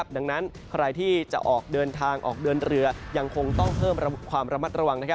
ดังนั้นใครที่จะออกเดินทางออกเดินเรือยังคงต้องเพิ่มความระมัดระวัง